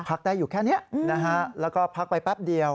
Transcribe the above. พักได้อยู่แค่นี้นะฮะแล้วก็พักไปแป๊บเดียว